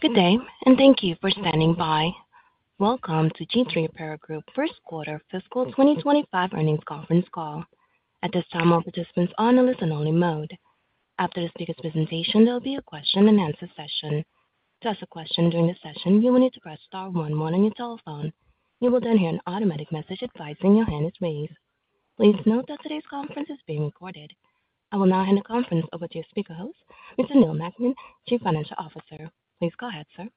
Good day, and thank you for standing by. Welcome to G-III Apparel Group First Quarter Fiscal 2025 Earnings Conference Call. At this time, all participants are on a listen-only mode. After the speaker's presentation, there'll be a question-and-answer session. To ask a question during the session, you will need to press star one one on your telephone. You will then hear an automatic message advising your hand is raised. Please note that today's conference is being recorded. I will now hand the conference over to your speaker host, Mr. Neal Nackman, Chief Financial Officer. Please go ahead, sir.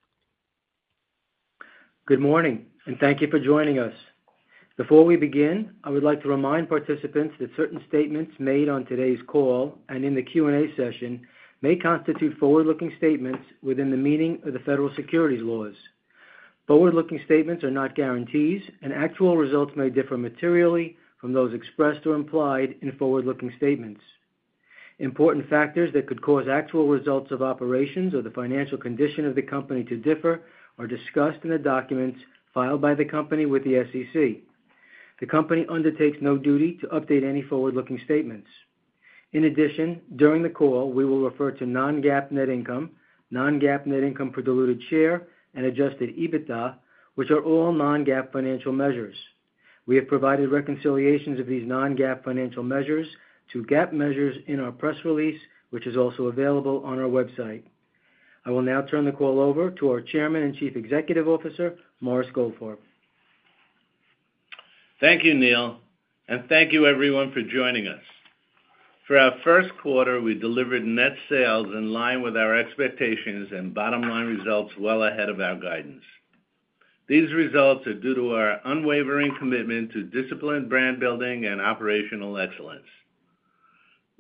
Good morning, and thank you for joining us. Before we begin, I would like to remind participants that certain statements made on today's call and in the Q&A session may constitute forward-looking statements within the meaning of the federal securities laws. Forward-looking statements are not guarantees, and actual results may differ materially from those expressed or implied in forward-looking statements. Important factors that could cause actual results of operations or the financial condition of the company to differ are discussed in the documents filed by the company with the SEC. The company undertakes no duty to update any forward-looking statements. In addition, during the call, we will refer to non-GAAP net income, non-GAAP net income per diluted share, and adjusted EBITDA, which are all non-GAAP financial measures. We have provided reconciliations of these non-GAAP financial measures to GAAP measures in our press release, which is also available on our website. I will now turn the call over to our Chairman and Chief Executive Officer, Morris Goldfarb. Thank you, Neal, and thank you, everyone, for joining us. For our first quarter, we delivered net sales in line with our expectations and bottom-line results well ahead of our guidance. These results are due to our unwavering commitment to disciplined brand building and operational excellence.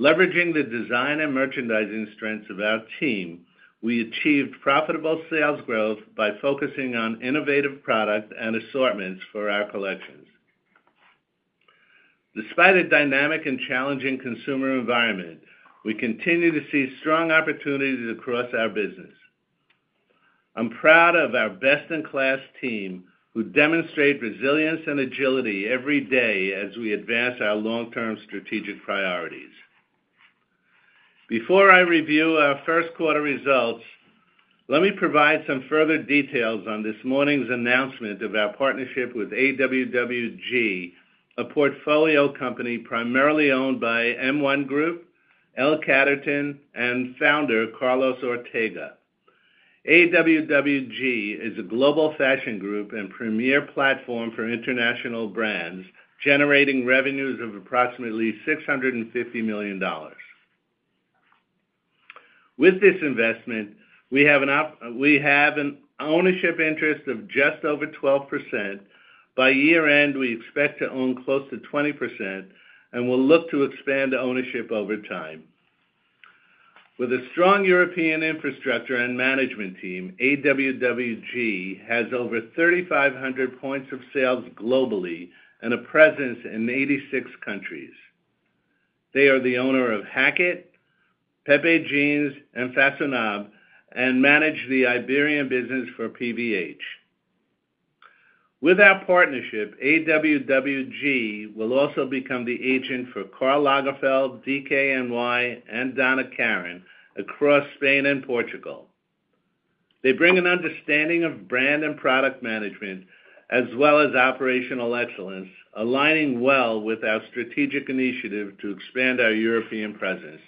Leveraging the design and merchandising strengths of our team, we achieved profitable sales growth by focusing on innovative product and assortments for our collections. Despite a dynamic and challenging consumer environment, we continue to see strong opportunities across our business. I'm proud of our best-in-class team, who demonstrate resilience and agility every day as we advance our long-term strategic priorities. Before I review our first quarter results, let me provide some further details on this morning's announcement of our partnership with AWWG, a portfolio company primarily owned by M1 Group, L Catterton, and founder Carlos Ortega. AWWG is a global fashion group and premier platform for international brands, generating revenues of approximately $650 million. With this investment, we have an ownership interest of just over 12%. By year-end, we expect to own close to 20%, and we'll look to expand the ownership over time. With a strong European infrastructure and management team, AWWG has over 3,500 points of sale globally and a presence in 86 countries. They are the owner of Hackett, Pepe Jeans, and Façonnable, and manage the Iberian business for PVH. With our partnership, AWWG will also become the agent for Karl Lagerfeld, DKNY, and Donna Karan across Spain and Portugal. They bring an understanding of brand and product management, as well as operational excellence, aligning well with our strategic initiative to expand our European presence.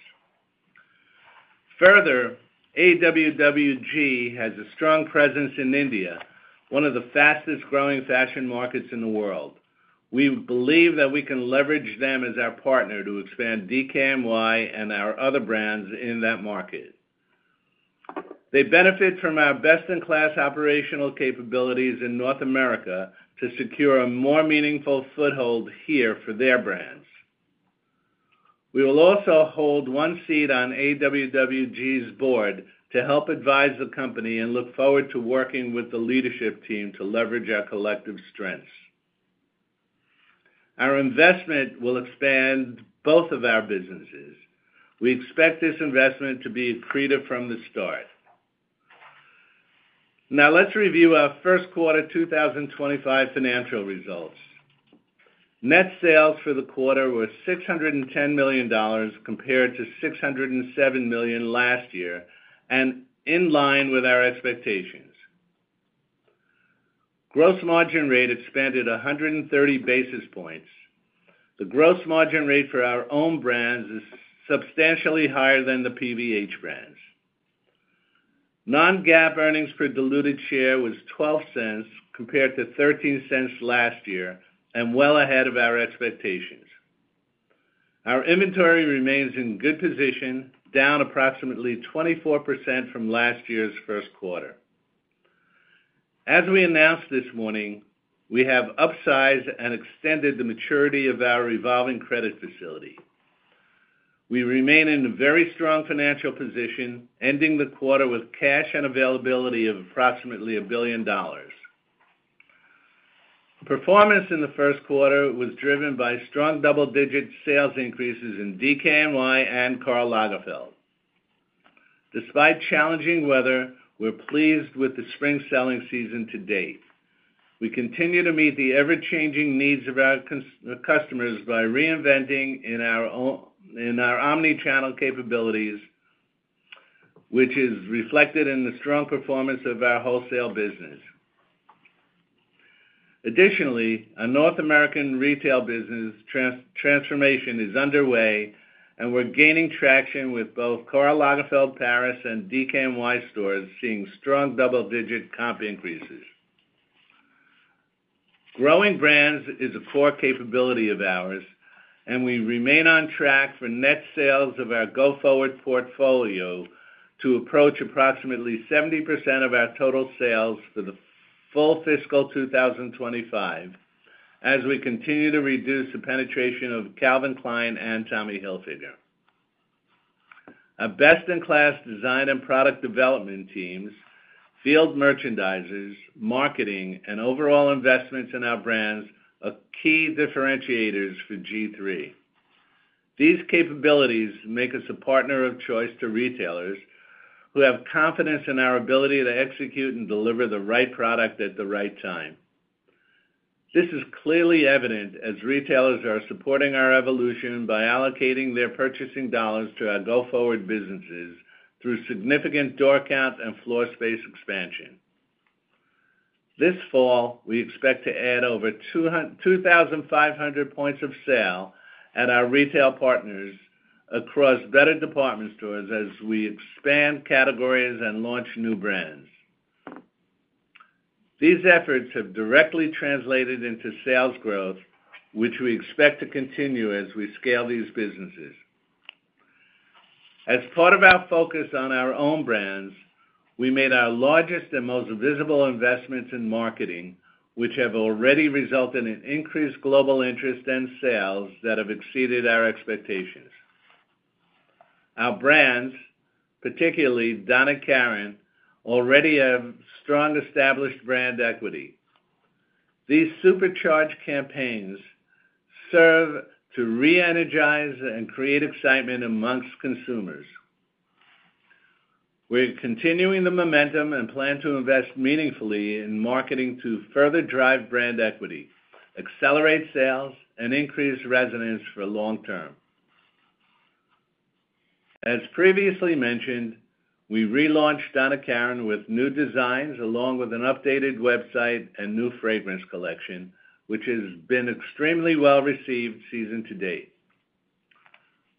Further, AWWG has a strong presence in India, one of the fastest-growing fashion markets in the world. We believe that we can leverage them as our partner to expand DKNY and our other brands in that market. They benefit from our best-in-class operational capabilities in North America to secure a more meaningful foothold here for their brands. We will also hold one seat on AWWG's board to help advise the company and look forward to working with the leadership team to leverage our collective strengths. Our investment will expand both of our businesses. We expect this investment to be accretive from the start. Now, let's review our first quarter 2025 financial results. Net sales for the quarter were $610 million, compared to $607 million last year, and in line with our expectations. Gross margin rate expanded 130 basis points. The gross margin rate for our own brands is substantially higher than the PVH brands. Non-GAAP earnings per diluted share was $0.12, compared to $0.13 last year, and well ahead of our expectations. Our inventory remains in good position, down approximately 24% from last year's first quarter. As we announced this morning, we have upsized and extended the maturity of our revolving credit facility. We remain in a very strong financial position, ending the quarter with cash and availability of approximately $1 billion. Performance in the first quarter was driven by strong double-digit sales increases in DKNY and Karl Lagerfeld. Despite challenging weather, we're pleased with the spring selling season to date. We continue to meet the ever-changing needs of our customers by reinvesting in our omnichannel capabilities, which is reflected in the strong performance of our wholesale business. Additionally, our North American retail business transformation is underway, and we're gaining traction with both Karl Lagerfeld Paris and DKNY stores seeing strong double-digit comp increases. Growing brands is a core capability of ours, and we remain on track for net sales of our go-forward portfolio to approach approximately 70% of our total sales for the full fiscal 2025, as we continue to reduce the penetration of Calvin Klein and Tommy Hilfiger. Our best-in-class design and product development teams, field merchandisers, marketing, and overall investments in our brands are key differentiators for G-III. These capabilities make us a partner of choice to retailers, who have confidence in our ability to execute and deliver the right product at the right time. This is clearly evident as retailers are supporting our evolution by allocating their purchasing dollars to our go-forward businesses through significant door count and floor space expansion. This fall, we expect to add over 2,500 points of sale at our retail partners across better department stores as we expand categories and launch new brands. These efforts have directly translated into sales growth, which we expect to continue as we scale these businesses. As part of our focus on our own brands, we made our largest and most visible investments in marketing, which have already resulted in increased global interest and sales that have exceeded our expectations. Our brands, particularly Donna Karan, already have strong established brand equity. These supercharged campaigns serve to re-energize and create excitement among consumers. We're continuing the momentum and plan to invest meaningfully in marketing to further drive brand equity, accelerate sales, and increase resonance for long term. As previously mentioned, we relaunched Donna Karan with new designs, along with an updated website and new fragrance collection, which has been extremely well-received season to date.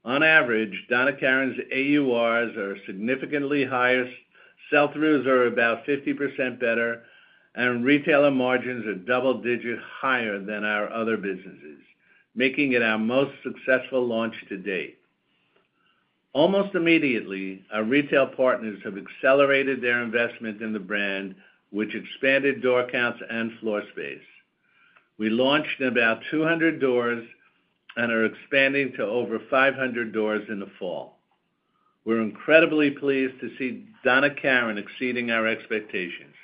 On average, Donna Karan's AURs are significantly higher, sell-throughs are about 50% better, and retailer margins are double-digit higher than our other businesses, making it our most successful launch to date. Almost immediately, our retail partners have accelerated their investment in the brand, which expanded door counts and floor space. We launched about 200 doors and are expanding to over 500 doors in the fall. We're incredibly pleased to see Donna Karan exceeding our expectations.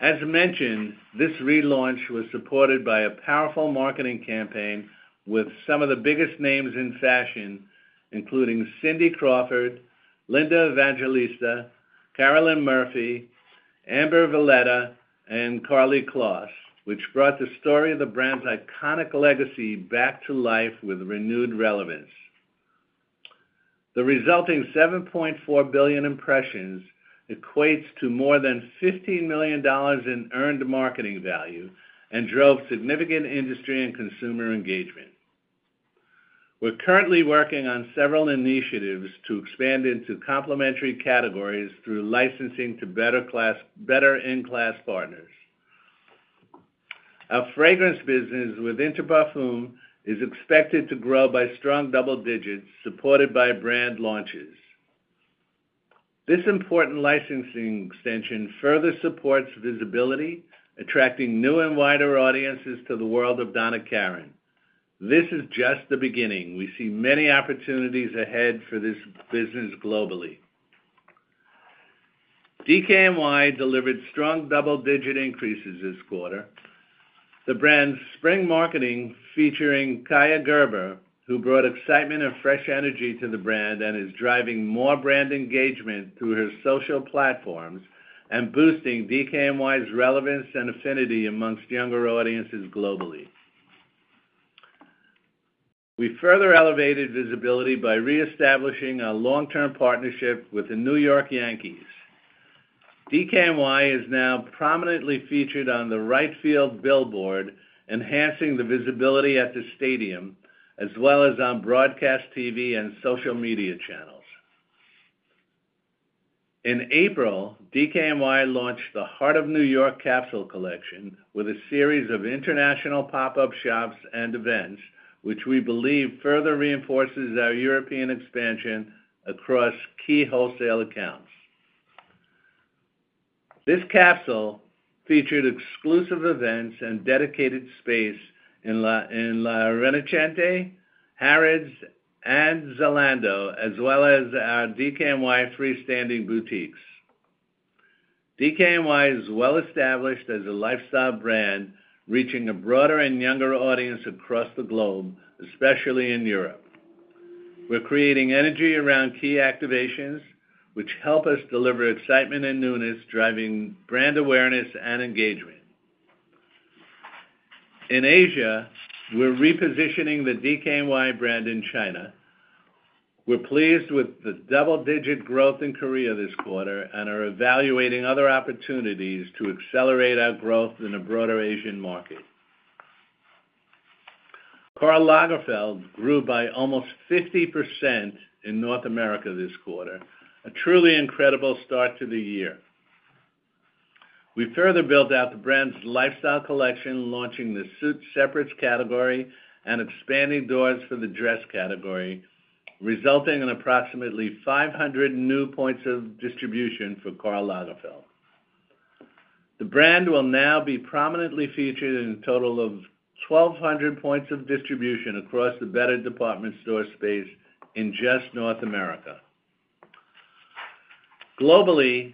As mentioned, this relaunch was supported by a powerful marketing campaign with some of the biggest names in fashion, including Cindy Crawford, Linda Evangelista, Carolyn Murphy, Amber Valletta, and Karlie Kloss, which brought the story of the brand's iconic legacy back to life with renewed relevance. The resulting 7.4 billion impressions equates to more than $15 million in earned marketing value and drove significant industry and consumer engagement. We're currently working on several initiatives to expand into complementary categories through licensing to better-in-class partners. Our fragrance business with Inter Parfums is expected to grow by strong double digits, supported by brand launches. This important licensing extension further supports visibility, attracting new and wider audiences to the world of Donna Karan. This is just the beginning. We see many opportunities ahead for this business globally. DKNY delivered strong double-digit increases this quarter. The brand's spring marketing, featuring Kaia Gerber, who brought excitement and fresh energy to the brand and is driving more brand engagement through her social platforms and boosting DKNY's relevance and affinity among younger audiences globally. We further elevated visibility by reestablishing a long-term partnership with the New York Yankees. DKNY is now prominently featured on the right field billboard, enhancing the visibility at the stadium, as well as on broadcast TV and social media channels. In April, DKNY launched the Heart of New York capsule collection with a series of international pop-up shops and events, which we believe further reinforces our European expansion across key wholesale accounts. This capsule featured exclusive events and dedicated space in La Rinascente, Harrods, and Zalando, as well as our DKNY freestanding boutiques. DKNY is well established as a lifestyle brand, reaching a broader and younger audience across the globe, especially in Europe. We're creating energy around key activations, which help us deliver excitement and newness, driving brand awareness and engagement. In Asia, we're repositioning the DKNY brand in China. We're pleased with the double-digit growth in Korea this quarter, and are evaluating other opportunities to accelerate our growth in the broader Asian market. Karl Lagerfeld grew by almost 50% in North America this quarter, a truly incredible start to the year. We further built out the brand's lifestyle collection, launching the suit separates category and expanding doors for the dress category, resulting in approximately 500 new points of distribution for Karl Lagerfeld. The brand will now be prominently featured in a total of 1,200 points of distribution across the better department store space in just North America. Globally,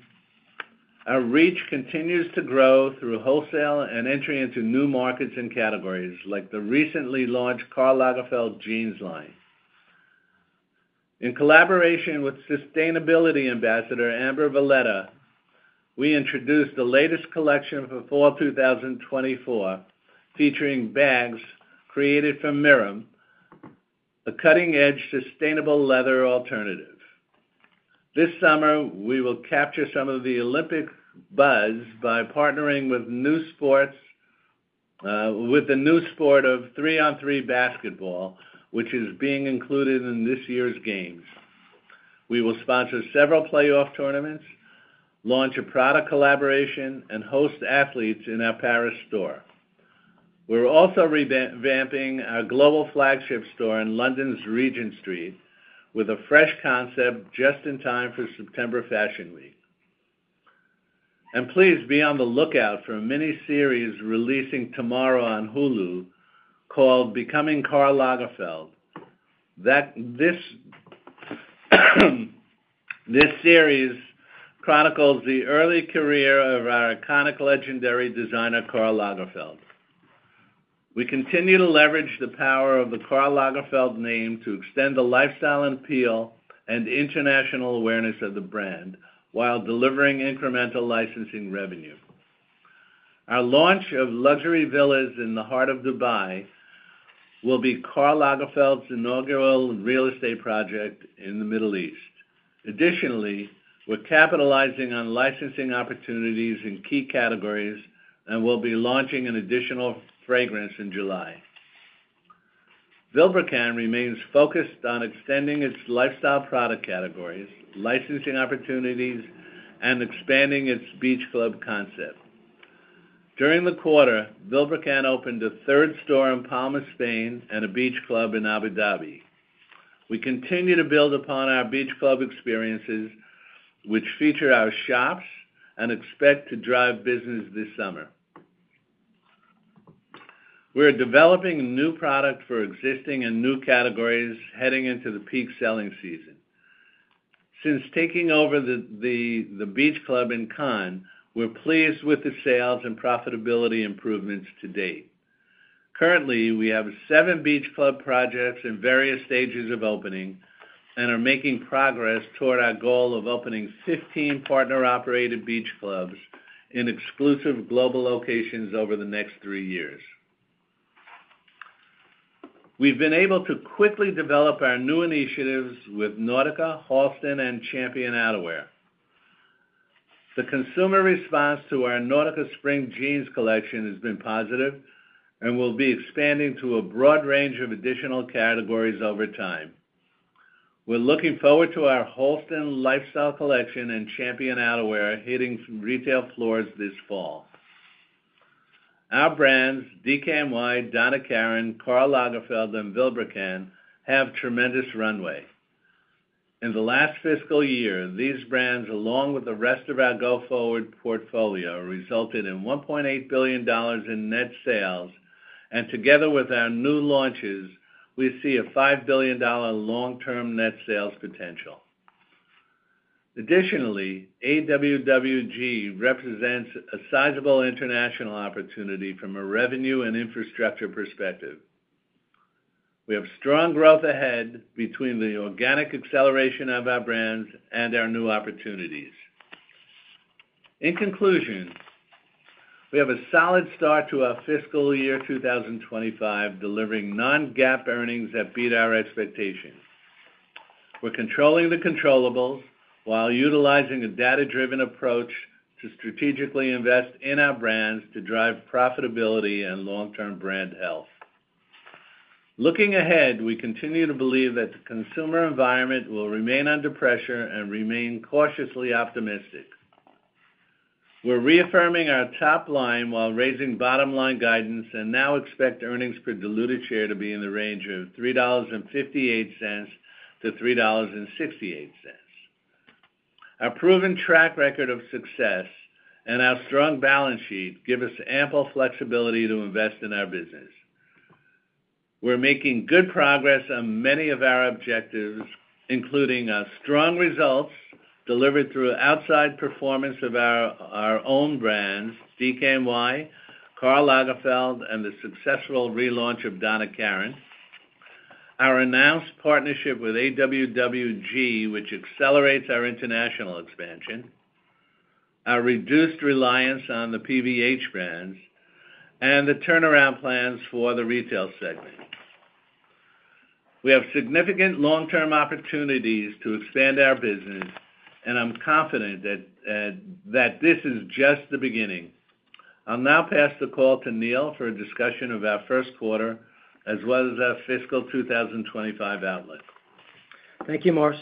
our reach continues to grow through wholesale and entry into new markets and categories, like the recently launched Karl Lagerfeld Jeans line. In collaboration with sustainability ambassador, Amber Valletta, we introduced the latest collection for Fall 2024, featuring bags created from MIRUM, a cutting-edge sustainable leather alternative. This summer, we will capture some of the Olympic buzz by partnering with new sports, with the new sport of three-on-three basketball, which is being included in this year's games. We will sponsor several playoff tournaments, launch a product collaboration, and host athletes in our Paris store. We're also revamping our global flagship store in London's Regent Street with a fresh concept just in time for September Fashion Week. And please, be on the lookout for a miniseries releasing tomorrow on Hulu called Becoming Karl Lagerfeld. This series chronicles the early career of our iconic, legendary designer, Karl Lagerfeld. We continue to leverage the power of the Karl Lagerfeld name to extend the lifestyle and appeal and international awareness of the brand, while delivering incremental licensing revenue. Our launch of luxury villas in the heart of Dubai will be Karl Lagerfeld's inaugural real estate project in the Middle East. Additionally, we're capitalizing on licensing opportunities in key categories and will be launching an additional fragrance in July. Vilebrequin remains focused on extending its lifestyle product categories, licensing opportunities, and expanding its beach club concept. During the quarter, Vilebrequin opened a third store in Palma, Spain, and a beach club in Abu Dhabi. We continue to build upon our beach club experiences, which feature our shops and expect to drive business this summer. We're developing new product for existing and new categories heading into the peak selling season. Since taking over the beach club in Cannes, we're pleased with the sales and profitability improvements to date. Currently, we have seven beach club projects in various stages of opening and are making progress toward our goal of opening 15 partner-operated beach clubs in exclusive global locations over the next three years. We've been able to quickly develop our new initiatives with Nautica, Halston, and Champion Outerwear. The consumer response to our Nautica spring jeans collection has been positive and will be expanding to a broad range of additional categories over time. We're looking forward to our Halston lifestyle collection and Champion Outerwear hitting some retail floors this fall. Our brands, DKNY, Donna Karan, Karl Lagerfeld, and Vilebrequin, have tremendous runway. In the last fiscal year, these brands, along with the rest of our go-forward portfolio, resulted in $1.8 billion in net sales, and together with our new launches, we see a $5 billion long-term net sales potential. Additionally, AWWG represents a sizable international opportunity from a revenue and infrastructure perspective. We have strong growth ahead between the organic acceleration of our brands and our new opportunities. In conclusion, we have a solid start to our fiscal year 2025, delivering non-GAAP earnings that beat our expectations. We're controlling the controllables while utilizing a data-driven approach to strategically invest in our brands to drive profitability and long-term brand health. Looking ahead, we continue to believe that the consumer environment will remain under pressure and remain cautiously optimistic. We're reaffirming our top line while raising bottom line guidance, and now expect earnings per diluted share to be in the range of $3.58-$3.68. Our proven track record of success and our strong balance sheet give us ample flexibility to invest in our business. We're making good progress on many of our objectives, including strong results delivered through the outstanding performance of our own brands, DKNY, Karl Lagerfeld, and the successful relaunch of Donna Karan. Our announced partnership with AWWG, which accelerates our international expansion, our reduced reliance on the PVH brands, and the turnaround plans for the retail segment. We have significant long-term opportunities to expand our business, and I'm confident that this is just the beginning. I'll now pass the call to Neal for a discussion of our first quarter, as well as our fiscal 2025 outlook. Thank you, Morris.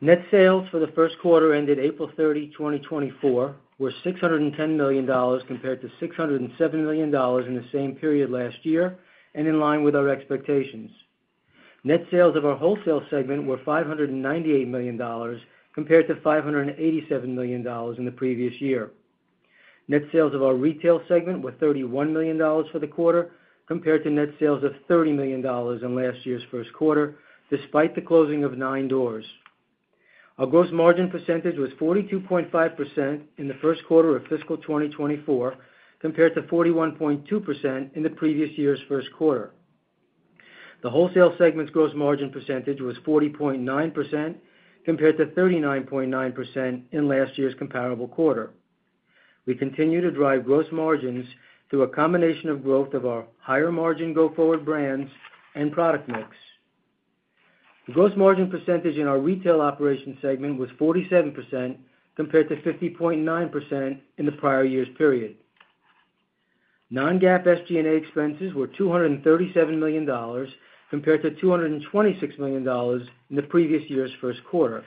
Net sales for the first quarter ended April 30, 2024, were $610 million compared to $607 million in the same period last year, and in line with our expectations. Net sales of our wholesale segment were $598 million, compared to $587 million in the previous year. Net sales of our retail segment were $31 million for the quarter, compared to net sales of $30 million in last year's first quarter, despite the closing of nine doors. Our gross margin percentage was 42.5% in the first quarter of fiscal 2024, compared to 41.2% in the previous year's first quarter. The wholesale segment's gross margin percentage was 40.9%, compared to 39.9% in last year's comparable quarter. We continue to drive gross margins through a combination of growth of our higher margin go forward brands and product mix. The gross margin percentage in our retail operations segment was 47%, compared to 50.9% in the prior year's period. Non-GAAP SG&A expenses were $237 million, compared to $226 million in the previous year's first quarter.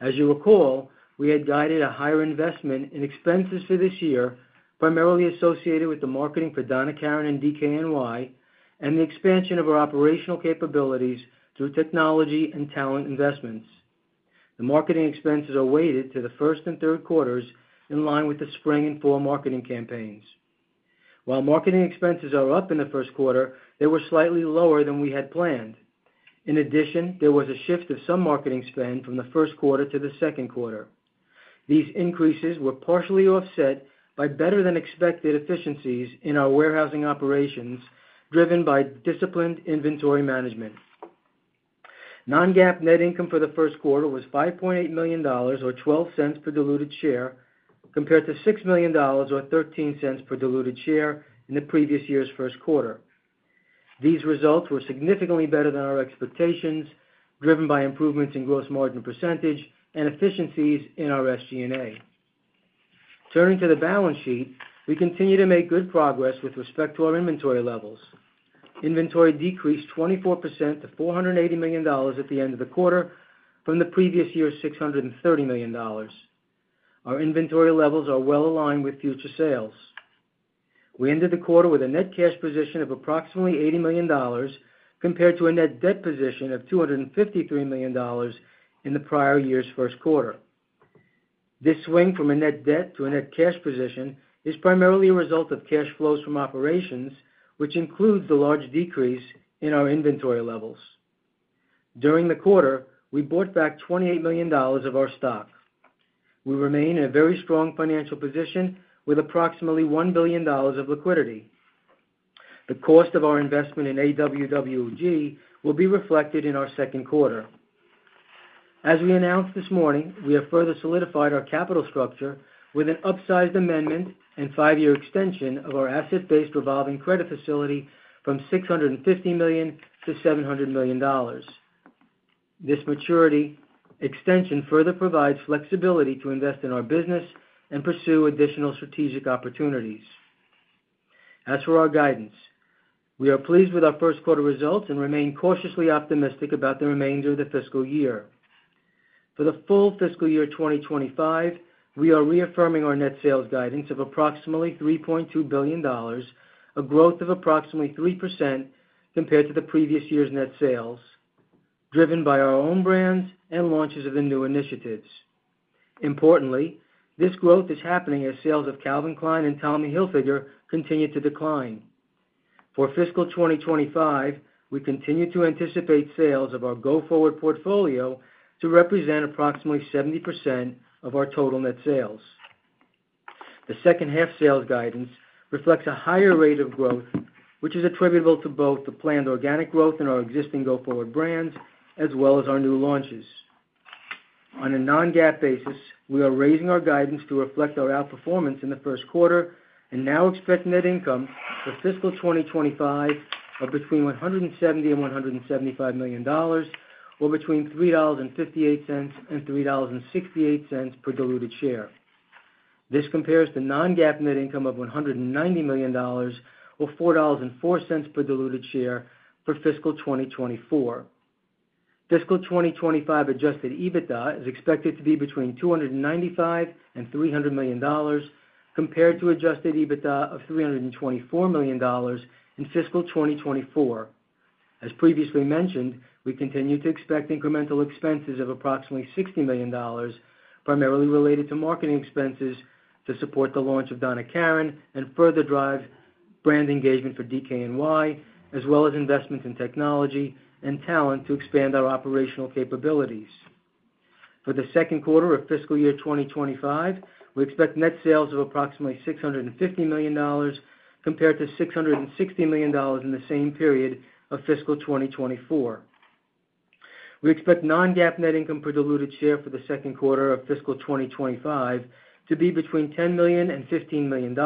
As you recall, we had guided a higher investment in expenses for this year, primarily associated with the marketing for Donna Karan and DKNY, and the expansion of our operational capabilities through technology and talent investments. The marketing expenses are weighted to the first and third quarters, in line with the spring and fall marketing campaigns. While marketing expenses are up in the first quarter, they were slightly lower than we had planned. In addition, there was a shift of some marketing spend from the first quarter to the second quarter. These increases were partially offset by better-than-expected efficiencies in our warehousing operations, driven by disciplined inventory management. Non-GAAP net income for the first quarter was $5.8 million or $0.12 per diluted share, compared to $6 million or $0.13 per diluted share in the previous year's first quarter. These results were significantly better than our expectations, driven by improvements in gross margin percentage and efficiencies in our SG&A. Turning to the balance sheet, we continue to make good progress with respect to our inventory levels. Inventory decreased 24% to $480 million at the end of the quarter from the previous year's $630 million. Our inventory levels are well aligned with future sales. We ended the quarter with a net cash position of approximately $80 million, compared to a net debt position of $253 million in the prior year's first quarter. This swing from a net debt to a net cash position is primarily a result of cash flows from operations, which includes the large decrease in our inventory levels. During the quarter, we bought back $28 million of our stock. We remain in a very strong financial position with approximately $1 billion of liquidity. The cost of our investment in AWWG will be reflected in our second quarter. As we announced this morning, we have further solidified our capital structure with an upsized amendment and five-year extension of our asset-based revolving credit facility from $650 million-$700 million. This maturity extension further provides flexibility to invest in our business and pursue additional strategic opportunities. As for our guidance, we are pleased with our first quarter results and remain cautiously optimistic about the remainder of the fiscal year. For the full fiscal year 2025, we are reaffirming our net sales guidance of approximately $3.2 billion, a growth of approximately 3% compared to the previous year's net sales, driven by our own brands and launches of the new initiatives. Importantly, this growth is happening as sales of Calvin Klein and Tommy Hilfiger continue to decline. For fiscal 2025, we continue to anticipate sales of our go-forward portfolio to represent approximately 70% of our total net sales. The second half sales guidance reflects a higher rate of growth, which is attributable to both the planned organic growth in our existing go-forward brands, as well as our new launches. On a non-GAAP basis, we are raising our guidance to reflect our outperformance in the first quarter and now expect net income for fiscal 2025 of between $170 million and $175 million, or between $3.58 and $3.68 per diluted share. This compares to non-GAAP net income of $190 million, or $4.04 per diluted share for fiscal 2024. Fiscal 2025 adjusted EBITDA is expected to be between $295 million and $300 million, compared to adjusted EBITDA of $324 million in fiscal 2024. As previously mentioned, we continue to expect incremental expenses of approximately $60 million, primarily related to marketing expenses, to support the launch of Donna Karan and further drive brand engagement for DKNY, as well as investments in technology and talent to expand our operational capabilities. For the second quarter of fiscal year 2025, we expect net sales of approximately $650 million compared to $660 million in the same period of fiscal 2024. We expect non-GAAP net income per diluted share for the second quarter of fiscal year 2025 to be between $10 million and $15 million,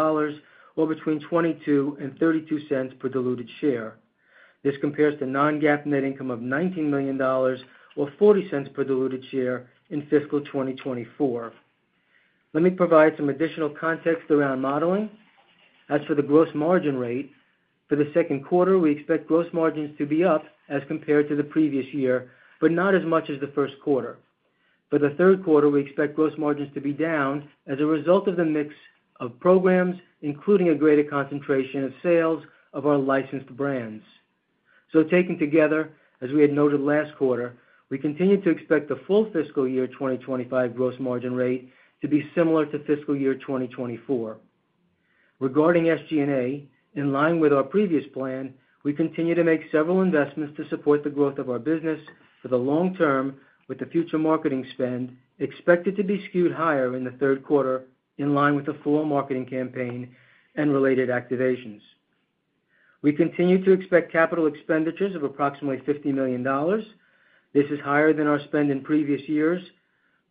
or between 22 and 32 cents per diluted share. This compares to non-GAAP net income of $19 million or 40 cents per diluted share in fiscal 2024. Let me provide some additional context around modeling. As for the gross margin rate, for the second quarter, we expect gross margins to be up as compared to the previous year, but not as much as the first quarter. For the third quarter, we expect gross margins to be down as a result of the mix of programs, including a greater concentration of sales of our licensed brands. So taken together, as we had noted last quarter, we continue to expect the full fiscal year 2025 gross margin rate to be similar to fiscal year 2024. Regarding SG&A, in line with our previous plan, we continue to make several investments to support the growth of our business for the long term, with the future marketing spend expected to be skewed higher in the third quarter, in line with the fall marketing campaign and related activations. We continue to expect capital expenditures of approximately $50 million. This is higher than our spend in previous years,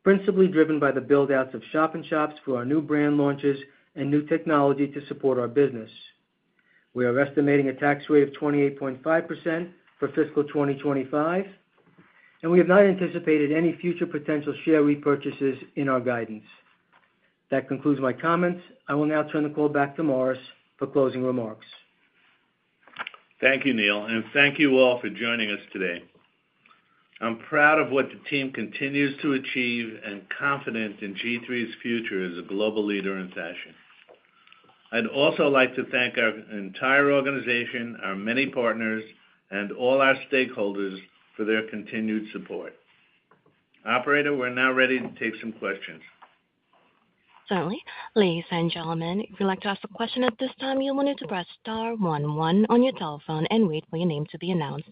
principally driven by the build-outs of shop-in-shops for our new brand launches and new technology to support our business. We are estimating a tax rate of 28.5% for fiscal 2025, and we have not anticipated any future potential share repurchases in our guidance. That concludes my comments. I will now turn the call back to Morris for closing remarks. Thank you, Neal, and thank you all for joining us today. I'm proud of what the team continues to achieve and confident in G-III's future as a global leader in fashion. I'd also like to thank our entire organization, our many partners, and all our stakeholders for their continued support. Operator, we're now ready to take some questions. Certainly. Ladies and gentlemen, if you'd like to ask a question at this time, you'll need to press star one one on your telephone and wait for your name to be announced.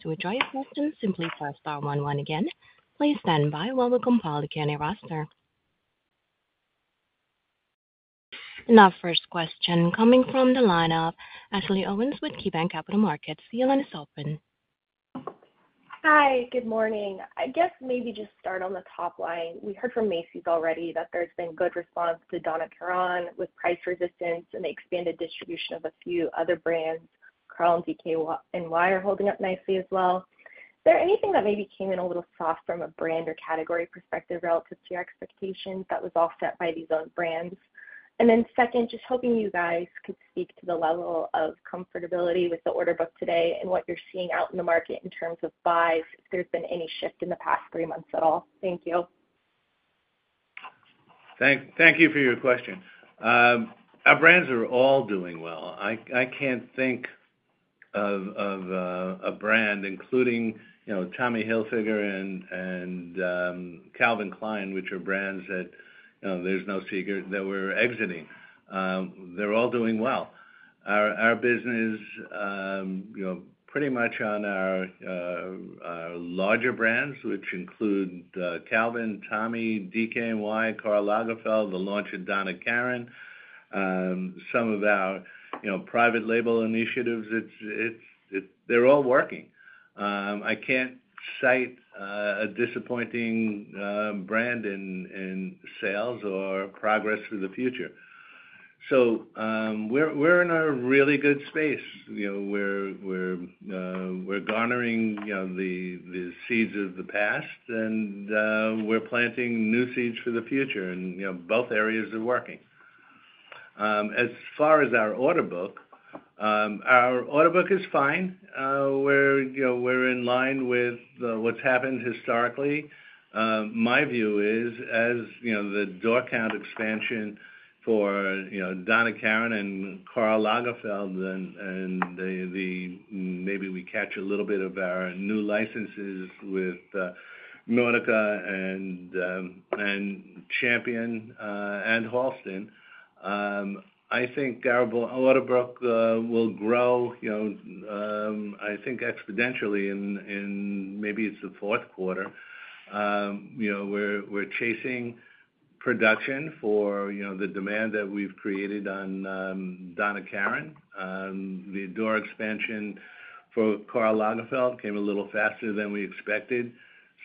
To withdraw your question, simply press star one one again. Please stand by while we compile the Q&A roster. Our first question coming from the line of Ashley Owens with KeyBanc Capital Markets. Your line is open. Hi, good morning. I guess maybe just start on the top line. We heard from Macy's already that there's been good response to Donna Karan with price resistance and the expanded distribution of a few other brands. Karl and DKNY are holding up nicely as well. Is there anything that maybe came in a little soft from a brand or category perspective relative to your expectations that was offset by these own brands? And then second, just hoping you guys could speak to the level of comfortability with the order book today and what you're seeing out in the market in terms of buys, if there's been any shift in the past three months at all? Thank you. Thank you for your question. Our brands are all doing well. I can't think of a brand including, you know, Tommy Hilfiger and Calvin Klein, which are brands that, you know, there's no secret that we're exiting. They're all doing well. Our business, you know, pretty much on our larger brands, which include Calvin, Tommy, DKNY, Karl Lagerfeld, the launch of Donna Karan, some of our, you know, private label initiatives, they're all working. I can't cite a disappointing brand in sales or progress for the future. So, we're in a really good space. You know, we're garnering, you know, the seeds of the past, and we're planting new seeds for the future, and, you know, both areas are working. As far as our order book, our order book is fine. We're, you know, we're in line with what's happened historically. My view is, as you know, the door count expansion for, you know, Donna Karan and Karl Lagerfeld and maybe we catch a little bit of our new licenses with Nautica and Champion and Halston. I think our order book will grow, you know, I think exponentially in maybe it's the fourth quarter. You know, we're chasing production for, you know, the demand that we've created on Donna Karan. The door expansion for Karl Lagerfeld came a little faster than we expected.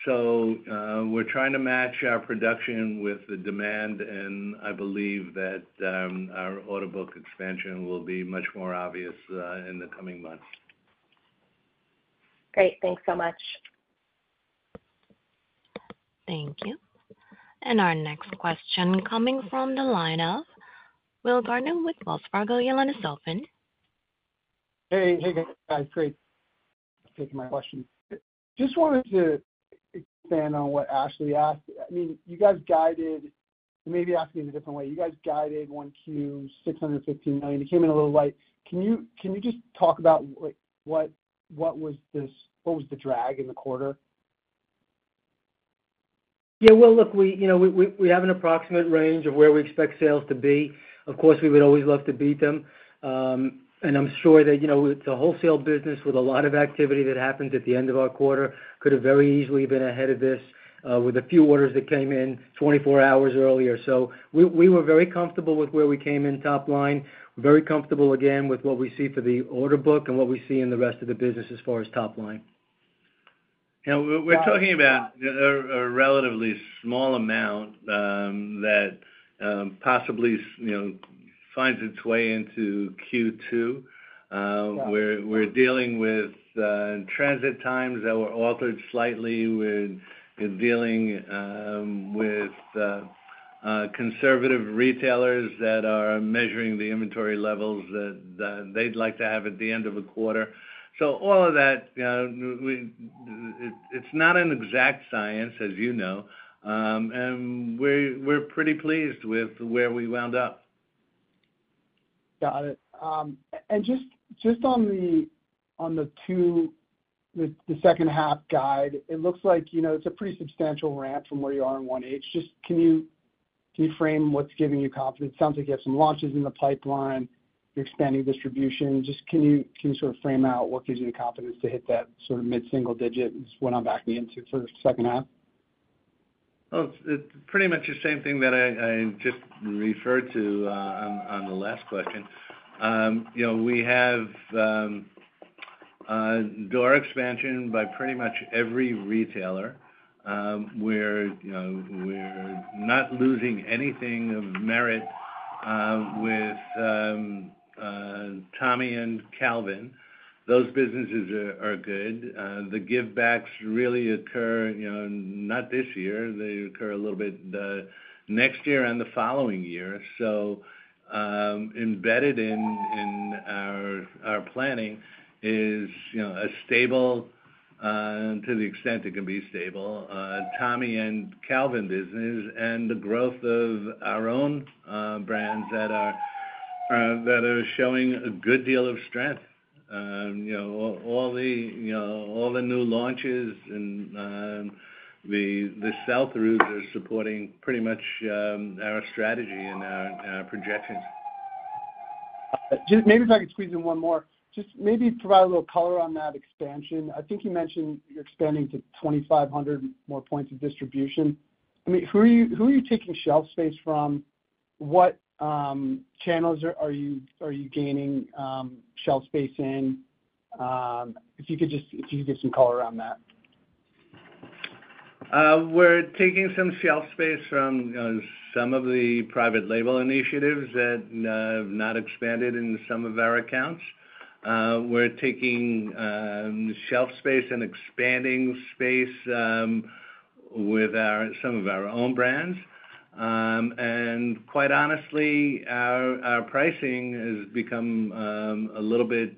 We're trying to match our production with the demand, and I believe that our order book expansion will be much more obvious in the coming months. Great. Thanks so much. Thank you. Our next question coming from the line of Will Gaertner with Wells Fargo. Your line is open. Hey, hey, guys. Great, thanks for taking my question. Just wanted to expand on what Ashley asked. I mean, you guys guided, maybe ask it in a different way. You guys guided Q1, $650 million. It came in a little light. Can you, can you just talk about like, what, what was this—what was the drag in the quarter? Yeah, well, look, we, you know, we have an approximate range of where we expect sales to be. Of course, we would always love to beat them. And I'm sure that, you know, with the wholesale business, with a lot of activity that happens at the end of our quarter, could have very easily been ahead of this with a few orders that came in 24 hours earlier. So we were very comfortable with where we came in top line. Very comfortable, again, with what we see for the order book and what we see in the rest of the business as far as top line. We're talking about a relatively small amount that possibly, you know, finds its way into Q2. We're dealing with transit times that were altered slightly. We're dealing with conservative retailers that are measuring the inventory levels that they'd like to have at the end of a quarter. So all of that, it's not an exact science, as you know. We're pretty pleased with where we wound up. Got it. And just on the second half guide, it looks like, you know, it's a pretty substantial ramp from where you are in 1H. Just, can you frame what's giving you confidence? Sounds like you have some launches in the pipeline, you're expanding distribution. Just, can you sort of frame out what gives you the confidence to hit that sort of mid-single digit? That's what I'm backing into for the second half. Well, it's pretty much the same thing that I just referred to, on the last question. You know, we have door expansion by pretty much every retailer. We're, you know, we're not losing anything of merit, with Tommy and Calvin. Those businesses are good. The givebacks really occur, you know, not this year. They occur a little bit the next year and the following year. So, embedded in our planning is, you know, a stable, to the extent it can be stable, Tommy and Calvin businesses, and the growth of our own brands that are showing a good deal of strength. You know, all the new launches and the sell-through are supporting pretty much our strategy and our projections. Just maybe if I could squeeze in one more. Just maybe provide a little color on that expansion. I think you mentioned you're expanding to 2,500 more points of distribution. I mean, who are you taking shelf space from? What channels are you gaining shelf space in? If you could give some color around that. We're taking some shelf space from some of the private label initiatives that have not expanded in some of our accounts. We're taking shelf space and expanding space with some of our own brands. And quite honestly, our pricing has become a little bit,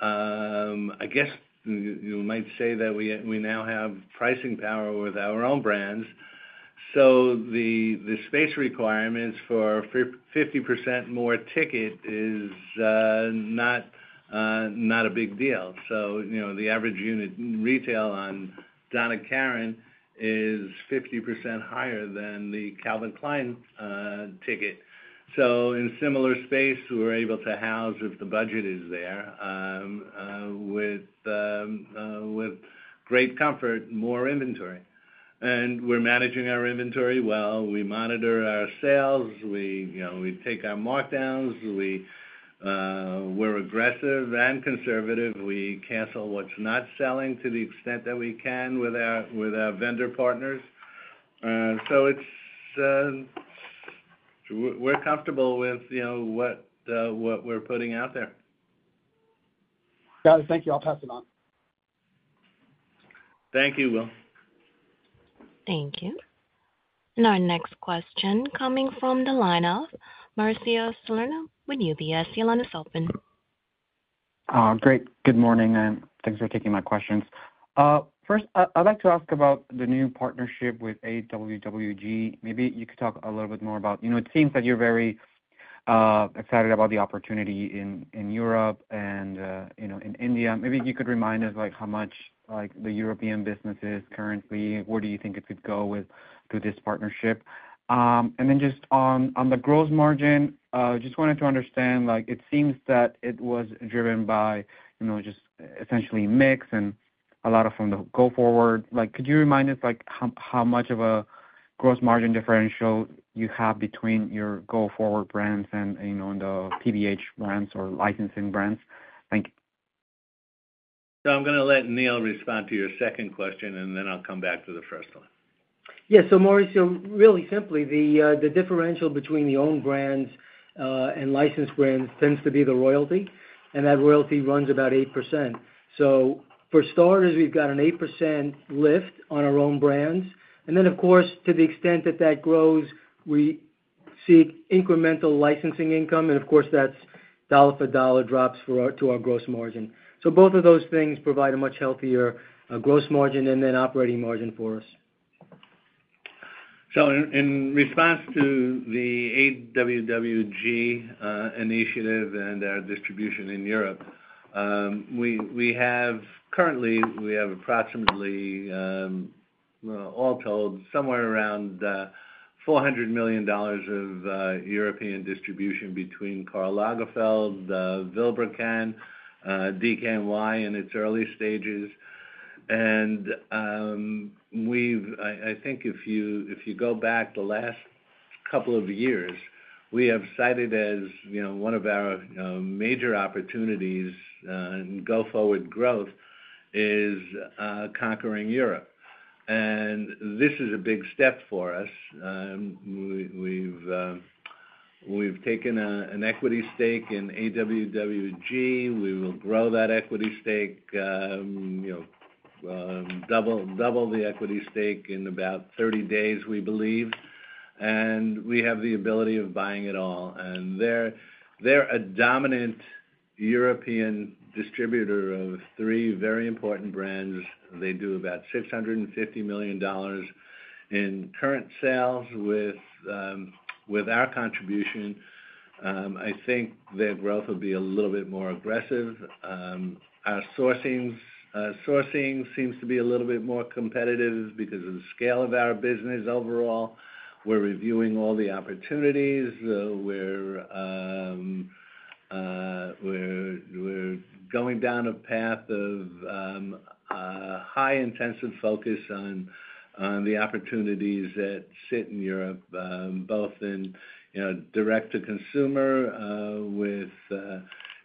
I guess, you might say that we now have pricing power with our own brands. So the space requirements for 50% more ticket is not a big deal. So, you know, the average unit retail on Donna Karan is 50% higher than the Calvin Klein ticket. So in similar space, we're able to house, if the budget is there, with great comfort, more inventory. And we're managing our inventory well. We monitor our sales, we, you know, we take our markdowns, we, we're aggressive and conservative. We cancel what's not selling to the extent that we can with our vendor partners. So it's... We're comfortable with, you know, what, what we're putting out there. Got it. Thank you. I'll pass it on. Thank you, Will. Thank you. Our next question coming from the line of Mauricio Serna with UBS. Your line is open. Great! Good morning, and thanks for taking my questions. First, I'd like to ask about the new partnership with AWWG. Maybe you could talk a little bit more about... You know, it seems that you're very excited about the opportunity in, in Europe and, you know, in India. Maybe you could remind us, like, how much, like, the European business is currently, where do you think it could go with, through this partnership? And then just on, on the gross margin, just wanted to understand, like, it seems that it was driven by, you know, just essentially mix and a lot of from the go forward. Like, could you remind us, like, how, how much of a gross margin differential you have between your go forward brands and, you know, the PVH brands or licensing brands? Thank you. I'm gonna let Neal respond to your second question, and then I'll come back to the first one. Yeah. So Mauricio, really simply, the differential between the own brands and licensed brands tends to be the royalty, and that royalty runs about 8%. So for starters, we've got an 8% lift on our own brands. And then, of course, to the extent that that grows, we seek incremental licensing income, and of course, that's dollar for dollar drops for our-- to our gross margin. So both of those things provide a much healthier gross margin and then operating margin for us. So in response to the AWWG initiative and our distribution in Europe, we currently have approximately, all told, somewhere around $400 million of European distribution between Karl Lagerfeld, Vilebrequin, DKNY, in its early stages. And we've – I think if you go back the last couple of years, we have cited, you know, as one of our major opportunities in go-forward growth is conquering Europe. And this is a big step for us. We've taken an equity stake in AWWG. We will grow that equity stake, you know, double the equity stake in about 30 days, we believe. And we have the ability of buying it all. And they're a dominant European distributor of three very important brands. They do about $650 million in current sales with our contribution. I think their growth will be a little bit more aggressive. Our sourcing seems to be a little bit more competitive because of the scale of our business overall. We're reviewing all the opportunities. We're going down a path of high intensive focus on the opportunities that sit in Europe, both in, you know, direct to consumer, with,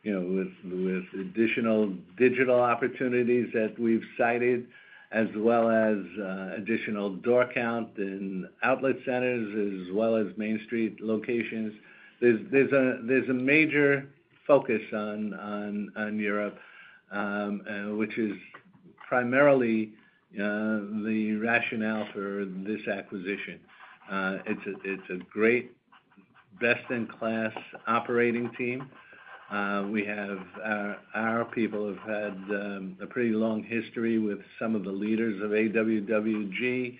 you know, with additional digital opportunities that we've cited, as well as additional door count in outlet centers, as well as main street locations. There's a major focus on Europe, which is primarily the rationale for this acquisition. It's a great, best-in-class operating team. We have, our people have had a pretty long history with some of the leaders of AWWG.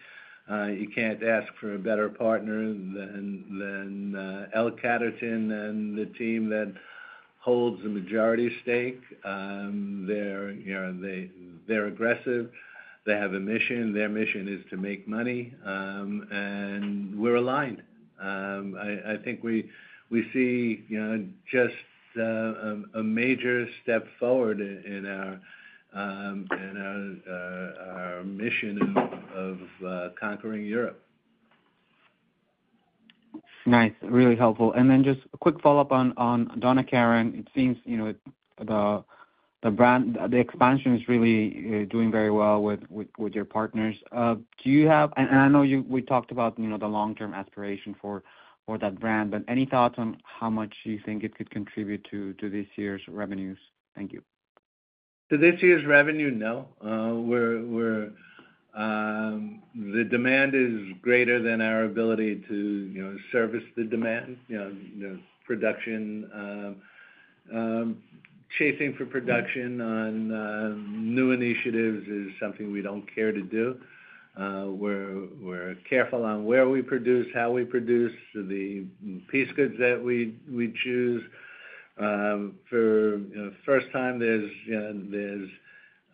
You can't ask for a better partner than L Catterton and the team that holds the majority stake. They're, you know, they, they're aggressive. They have a mission. Their mission is to make money and we're aligned. I think we see, you know, just a major step forward in our mission of conquering Europe. Nice. Really helpful. And then just a quick follow-up on Donna Karan. It seems, you know, the brand, the expansion is really doing very well with your partners. Do you have... And I know you-- we talked about, you know, the long-term aspiration for that brand, but any thoughts on how much you think it could contribute to this year's revenues? Thank you. To this year's revenue, no. We're the demand is greater than our ability to, you know, service the demand. You know, the production chasing for production on new initiatives is something we don't care to do. We're careful on where we produce, how we produce, the piece goods that we choose. For, you know, first time, there's, you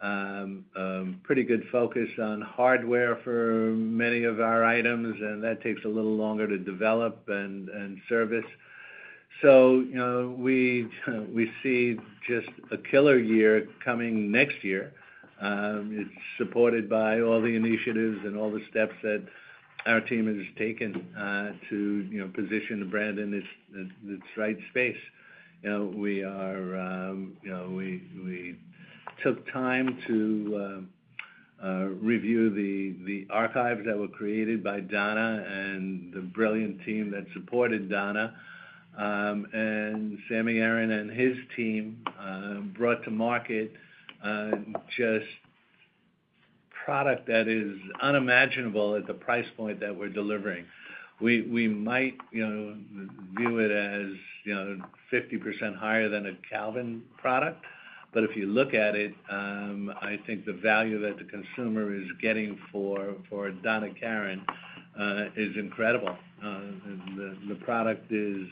know, pretty good focus on hardware for many of our items, and that takes a little longer to develop and service. So, you know, we see just a killer year coming next year. It's supported by all the initiatives and all the steps that our team has taken to, you know, position the brand in its right space. You know, we are, you know, we took time to review the archives that were created by Donna and the brilliant team that supported Donna. And Sammy Aaron and his team brought to market just product that is unimaginable at the price point that we're delivering. We might, you know, view it as, you know, 50% higher than a Calvin product. But if you look at it, I think the value that the consumer is getting for Donna Karan is incredible. The product is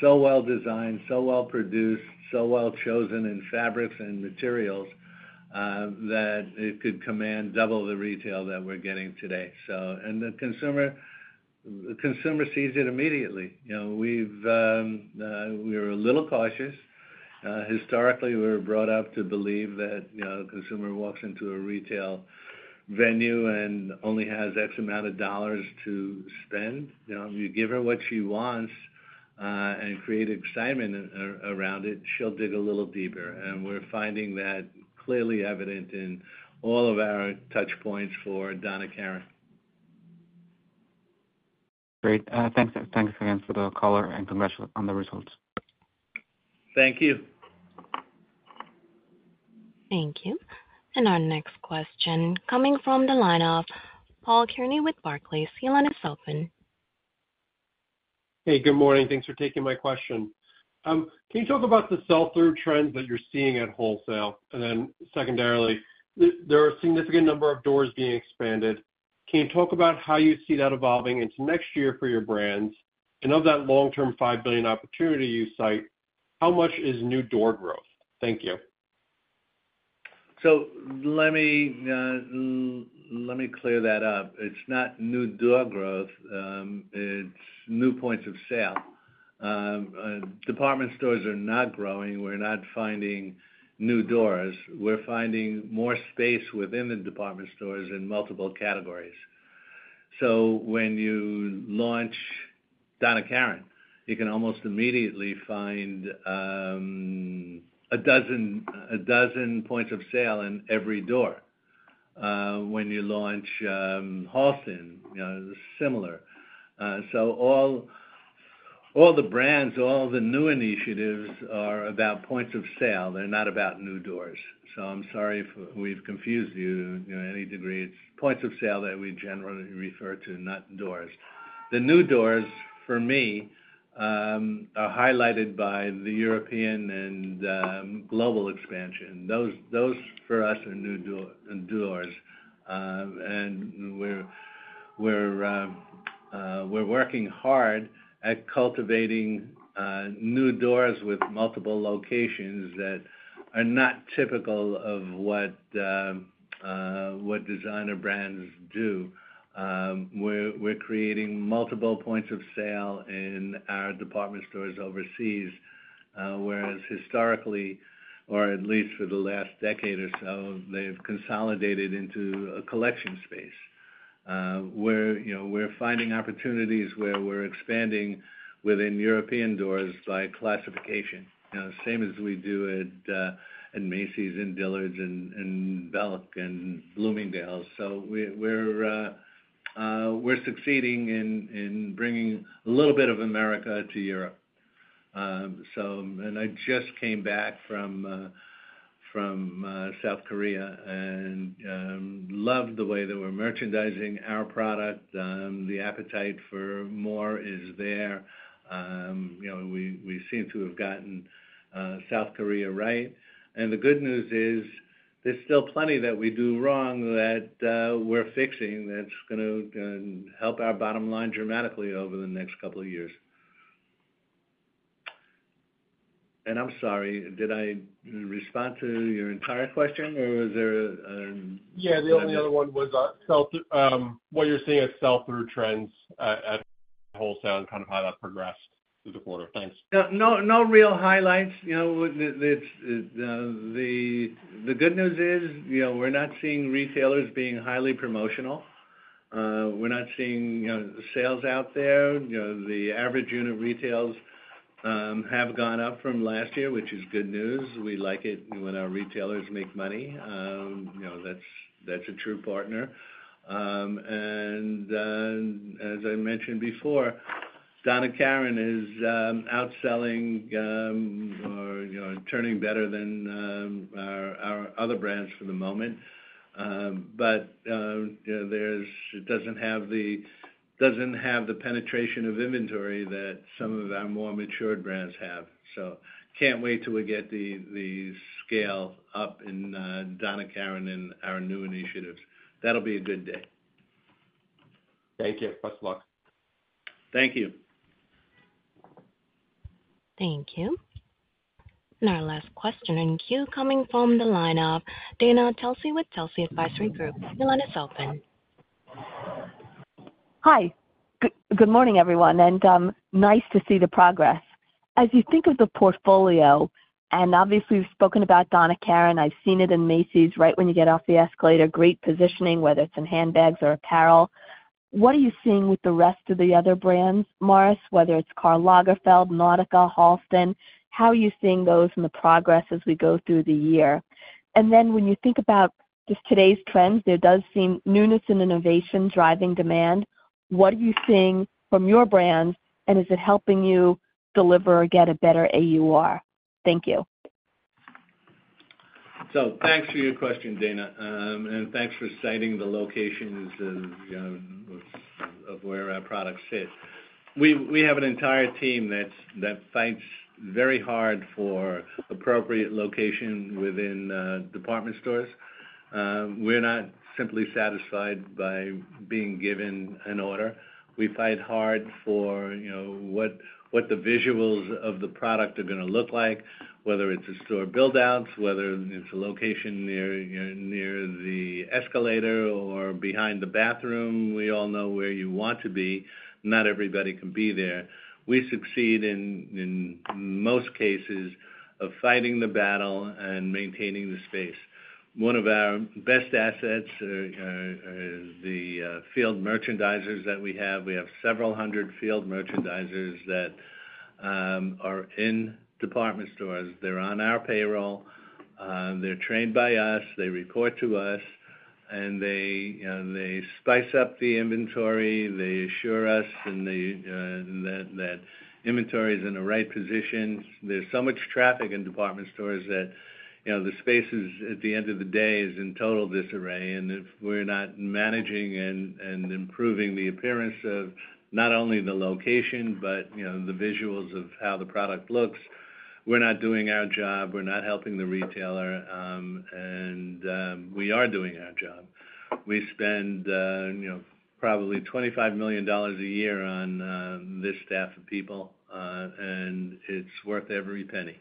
so well designed, so well produced, so well chosen in fabrics and materials that it could command double the retail that we're getting today. So... And the consumer sees it immediately. You know, we were a little cautious. Historically, we were brought up to believe that, you know, the consumer walks into a retail venue and only has X amount of dollars to spend. You know, you give her what she wants, and create excitement around it, she'll dig a little deeper. And we're finding that clearly evident in all of our touchpoints for Donna Karan. Great. Thanks, thanks again for the call and congrats on the results. Thank you. Thank you. Our next question coming from the line of Paul Kearney with Barclays. Your line is open. Hey, good morning. Thanks for taking my question. Can you talk about the sell-through trends that you're seeing at wholesale? And then secondarily, there are a significant number of doors being expanded. Can you talk about how you see that evolving into next year for your brands? And of that long-term $5 billion opportunity you cite, how much is new door growth? Thank you. So let me clear that up. It's not new door growth, it's new points of sale. Department stores are not growing. We're not finding new doors. We're finding more space within the department stores in multiple categories. So when you launch Donna Karan, you can almost immediately find 12 points of sale in every door. When you launch Halston, you know, similar. So all the brands, all the new initiatives are about points of sale. They're not about new doors. So I'm sorry if we've confused you in any degree. It's points of sale that we generally refer to, not doors. The new doors, for me, are highlighted by the European and global expansion. Those for us are new doors. And we're working hard at cultivating new doors with multiple locations that are not typical of what designer brands do. We're creating multiple points of sale in our department stores overseas, whereas historically, or at least for the last decade or so, they've consolidated into a collection space. You know, we're finding opportunities where we're expanding within European doors by classification, you know, same as we do at Macy's and Dillard's and Belk and Bloomingdale's. So we're succeeding in bringing a little bit of America to Europe. So... And I just came back from South Korea and loved the way they were merchandising our product. The appetite for more is there. You know, we seem to have gotten South Korea right. And the good news is there's still plenty that we do wrong that we're fixing, that's gonna help our bottom line dramatically over the next couple of years. And I'm sorry, did I respond to your entire question, or was there- Yeah, the only other one was sell-through, what you're seeing as sell-through trends at wholesale, and kind of how that progressed through the quarter? Thanks. Yeah. No, no real highlights. You know, the good news is, you know, we're not seeing retailers being highly promotional. We're not seeing, you know, sales out there. You know, the average unit retail have gone up from last year, which is good news. We like it when our retailers make money. You know, that's a true partner. And then, as I mentioned before, Donna Karan is outselling or, you know, turning better than our other brands for the moment. But you know, there's it doesn't have the penetration of inventory that some of our more matured brands have. So can't wait till we get the scale up in Donna Karan and our new initiatives. That'll be a good day. Thank you. Best of luck. Thank you. Thank you. Our last question in queue coming from the line of Dana Telsey with Telsey Advisory Group. Your line is open. Hi. Good, good morning, everyone, and, nice to see the progress. As you think of the portfolio, and obviously, we've spoken about Donna Karan. I've seen it in Macy's, right when you get off the escalator, great positioning, whether it's in handbags or apparel. What are you seeing with the rest of the other brands, Morris, whether it's Karl Lagerfeld, Nautica, Halston? How are you seeing those and the progress as we go through the year? And then when you think about just today's trends, there does seem newness and innovation driving demand. What are you seeing from your brands, and is it helping you deliver or get a better AUR? Thank you. So thanks for your question, Dana. And thanks for citing the locations of where our products sit. We have an entire team that fights very hard for appropriate location within department stores. We're not simply satisfied by being given an order. We fight hard for, you know, what the visuals of the product are gonna look like, whether it's the store build outs, whether it's a location near the escalator or behind the bathroom. We all know where you want to be. Not everybody can be there. We succeed in most cases of fighting the battle and maintaining the space. One of our best assets is the field merchandisers that we have. We have several hundred field merchandisers that are in department stores. They're on our payroll, they're trained by us, they report to us, and they spice up the inventory. They assure us that inventory is in the right position. There's so much traffic in department stores that, you know, the spaces at the end of the day is in total disarray. And if we're not managing and improving the appearance of not only the location but, you know, the visuals of how the product looks, we're not doing our job, we're not helping the retailer, and we are doing our job. We spend, you know, probably $25 million a year on this staff of people, and it's worth every penny.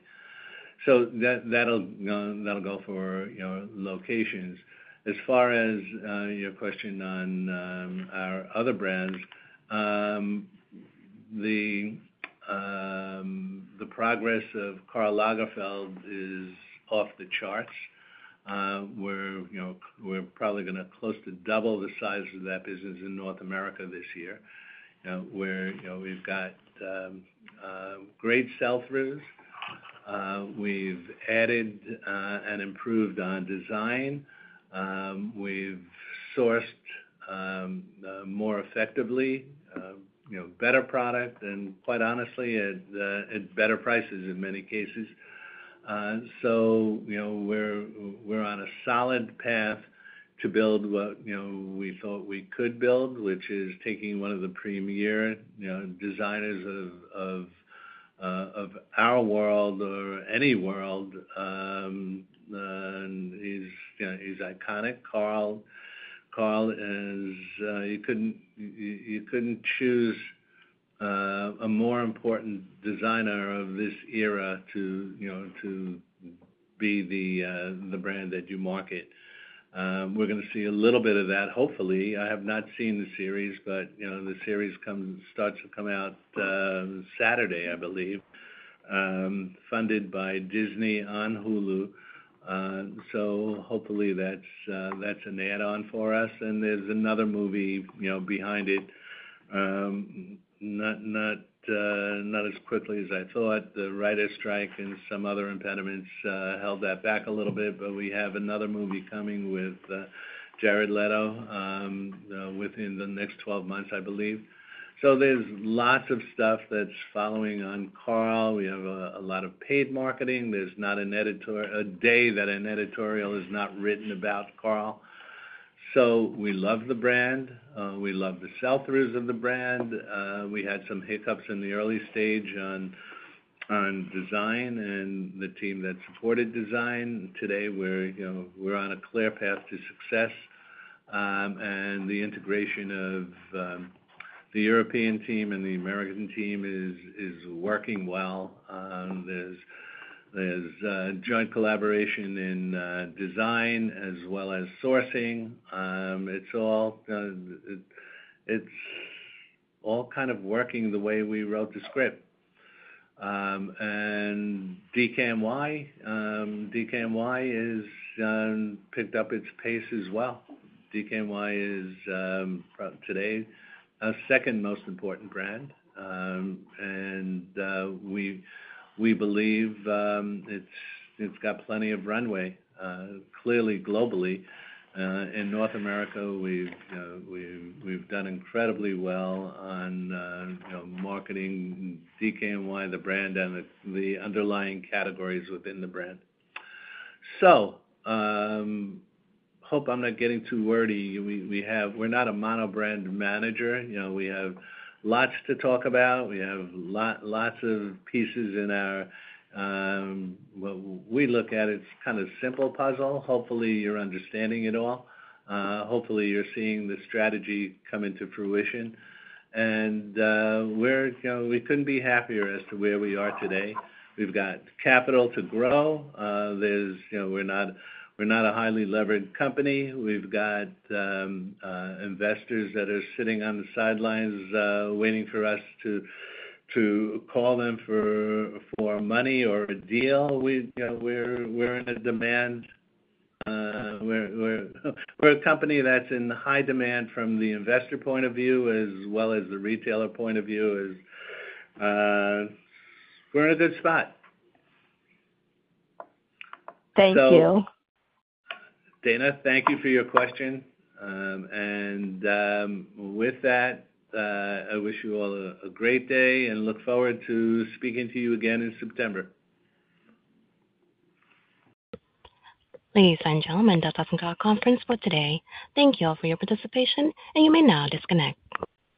So that'll go for, you know, locations. As far as your question on our other brands, the progress of Karl Lagerfeld is off the charts. We're, you know, we're probably gonna close to double the size of that business in North America this year. Where, you know, we've got great sell-throughs. We've added and improved on design. We've sourced more effectively, you know, better product, and quite honestly, at better prices in many cases. So, you know, we're on a solid path to build what, you know, we thought we could build, which is taking one of the premier, you know, designers of our world or any world, and he's, you know, he's iconic. Karl is, you couldn't choose a more important designer of this era to, you know, to be the brand that you market. We're gonna see a little bit of that, hopefully. I have not seen the series, but, you know, the series starts to come out Saturday, I believe, funded by Disney on Hulu. So hopefully, that's an add-on for us. And there's another movie, you know, behind it. Not as quickly as I thought. The writer strike and some other impediments held that back a little bit, but we have another movie coming with Jared Leto within the next 12 months, I believe. So there's lots of stuff that's following on Karl. We have a lot of paid marketing. There's not a day that an editorial is not written about Karl. So we love the brand. We love the sell-throughs of the brand. We had some hiccups in the early stage on design and the team that supported design. Today, we're, you know, on a clear path to success. And the integration of the European team and the American team is working well. There's joint collaboration in design as well as sourcing. It's all kind of working the way we wrote the script. And DKNY, DKNY is picked up its pace as well. DKNY is today our second most important brand. And we believe it's got plenty of runway clearly globally. In North America, we've done incredibly well on, you know, marketing DKNY, the brand, and the underlying categories within the brand. So, hope I'm not getting too wordy. We have. We're not a monobrand manager, you know, we have lots to talk about. We have lots of pieces in our. Well, we look at it's kind of simple puzzle. Hopefully, you're understanding it all. Hopefully, you're seeing the strategy come into fruition. And, we're, you know, we couldn't be happier as to where we are today. We've got capital to grow. There's, you know, we're not a highly levered company. We've got investors that are sitting on the sidelines, waiting for us to call them for money or a deal. We've, you know, we're a company that's in high demand from the investor point of view as well as the retailer point of view. We're in a good spot. Thank you. So, Dana, thank you for your question. With that, I wish you all a great day and look forward to speaking to you again in September. Ladies and gentlemen, that concludes our conference for today. Thank you all for your participation, and you may now disconnect.